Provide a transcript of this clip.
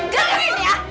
dari dulu ya